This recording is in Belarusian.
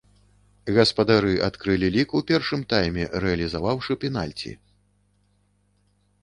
Гаспадары адкрылі лік у першым тайме, рэалізаваўшы пенальці.